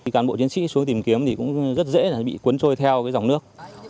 cán bộ chiến sĩ xuống tìm kiếm thì cũng rất dễ bị cuốn trôi theo dòng nước